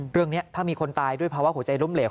เรื่องนี้ถ้ามีคนตายด้วยภาวะหัวใจล้มเหลว